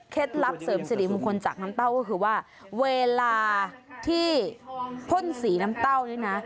ลับเสริมสิริมงคลจากน้ำเต้าก็คือว่าเวลาที่พ่นสีน้ำเต้านี่นะ